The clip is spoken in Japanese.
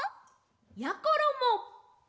やころも！